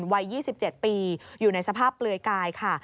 วัย๒๗ปีอยู่ในสภาพเปลือยกายค่ะ